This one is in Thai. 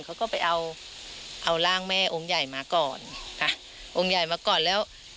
เขาก็ไปเอาเอาร่างแม่องค์ใหญ่มาก่อนค่ะองค์ใหญ่มาก่อนแล้ว